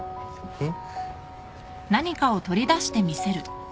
うん。